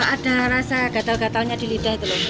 ada rasa gatel gatelnya di lidah